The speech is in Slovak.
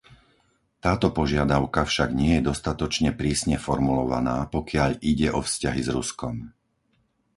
Táto požiadavka však nie je dostatočne prísne formulovaná, pokiaľ ide o vzťahy s Ruskom.